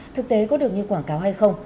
thực tế có được như quảng cáo hay không